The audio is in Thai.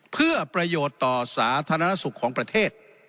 เพื่อประโยชน์ต่อสาธารณสุขของประเทศ